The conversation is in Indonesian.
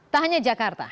tak hanya jakarta